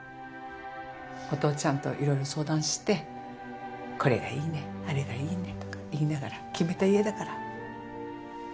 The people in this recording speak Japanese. おとうちゃんといろいろ相談してこれがいいねあれがいいねとか言いながら決めた家だから。